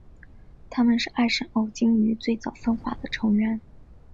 它们是艾什欧鲸科最早分化的成员。